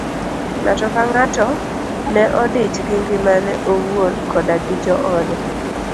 Ng'ato ka ng'ato ne odich gi ngimane owuon koda gi joode.